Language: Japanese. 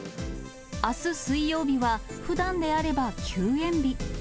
あす水曜日は、ふだんであれば休園日。